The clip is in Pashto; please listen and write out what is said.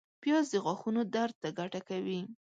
پیاز د غاښونو درد ته ګټه کوي